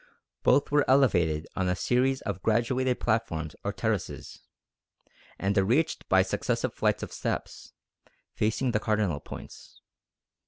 Both were elevated on a series of graduated platforms or terraces; and are reached by successive flights of steps, facing the cardinal points.